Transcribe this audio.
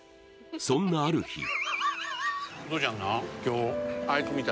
そんなある日